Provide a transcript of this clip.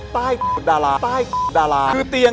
ใต้ดารา